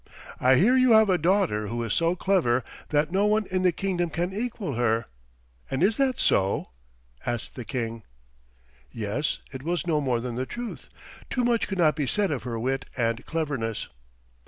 "I hear you have a daughter who is so clever that no one in the kingdom can equal her; and is that so?" asked the King. Yes, it was no more than the truth. Too much could not be said of her wit and cleverness.